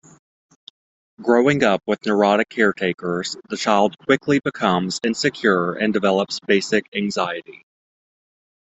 Growing up with neurotic caretakers, the child quickly becomes insecure and develops basic anxiety.